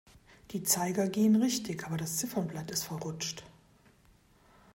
Die Zeiger gehen richtig, aber das Ziffernblatt ist verrutscht.